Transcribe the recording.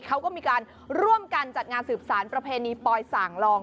เขาก็มีการร่วมกันจัดงานสืบสารประเพณีปลอยส่างลอง